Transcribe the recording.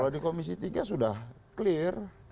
kalau di komisi tiga sudah clear